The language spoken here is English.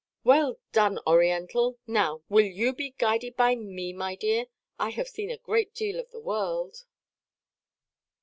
"Well done, Oriental! Now, will you be guided by me, my dear? I have seen a great deal of the world."